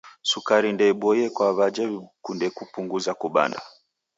Sukari ndeiboie kwa w'aja w'ikunde kupunguza kubanda.